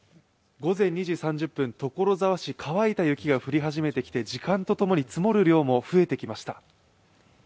午前２時３０分、所沢市乾いた雪が降り始めてきて時間とともに積もる量も増えてきました。